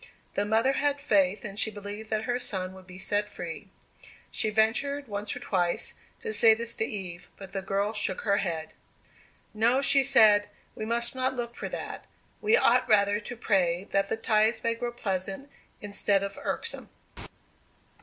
The mother had faith, and she believed that her son would be set free. She ventured, once or twice, to say this to Eve, but the girl shook her head. "No," she said, "we must not look for that. We ought rather to pray that the ties may grow pleasant instead of irksome."